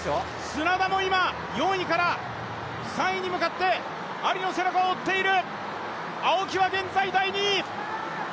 砂田も今、４位から３位に向かってアリの背中を追っている。